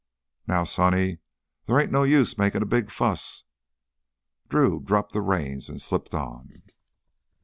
"Now, sonny, there ain't no use makin' a big fuss...." Drew dropped the reins and slipped on.